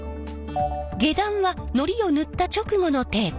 下段はのりを塗った直後のテープ。